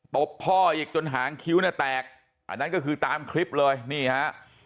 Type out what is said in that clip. บพ่ออีกจนหางคิ้วเนี่ยแตกอันนั้นก็คือตามคลิปเลยนี่ฮะ